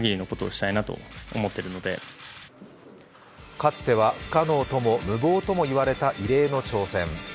かつては不可能とも無謀ともいわれた異例の挑戦。